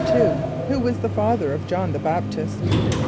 = Who was the father of J[)o]hn the B[)a]p´t[)i]st?